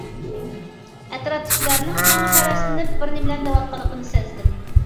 ئەتراپتىكىلەرنىڭ ماڭا ھەۋەسلىنىپ بىرنېمىلەرنى دەۋاتقانلىقىنى سەزدىم.